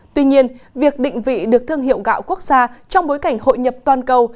tuy nhiên việc định vị được thương hiệu gạo quốc gia trong bối cảnh hội nhập toàn cầu